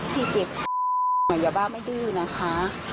ที่เก็บอย่าบ้าไม่ดื้อนะคะ